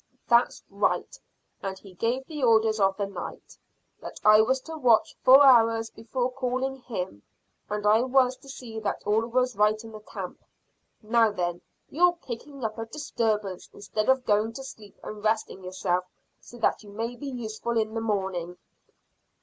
"That's right, and he gave the orders of the night that I was to watch four hours before calling him, and I was to see that all was right in the camp. Now then, you're kicking up a disturbance instead of going to sleep and resting yourself so that you may be useful in the morning."